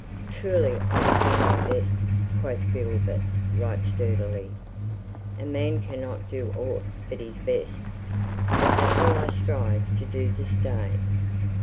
"Truly I will do my best," quoth Gilbert right sturdily. "A man cannot do aught but his best, but that will I strive to do this day."